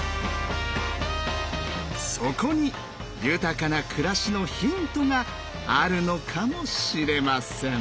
そこに豊かな暮らしのヒントがあるのかもしれません。